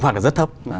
hoặc là rất thấp